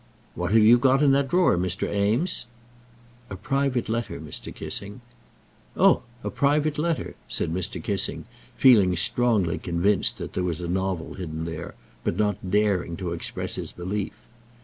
"What have you got in that drawer, Mr. Eames?" "A private letter, Mr. Kissing." "Oh; a private letter!" said Mr. Kissing, feeling strongly convinced there was a novel hidden there, but not daring to express his belief.